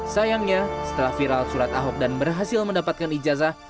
sayangnya setelah viral surat ahok dan berhasil mendapatkan ijazah